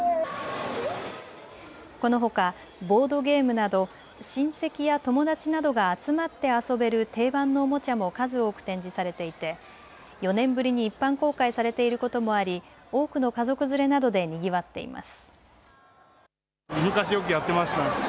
このほかボードゲームなど親戚や友達などが集まって遊べる定番のおもちゃも数多く展示されていて４年ぶりに一般公開されていることもあり、多くの家族連れなどでにぎわっています。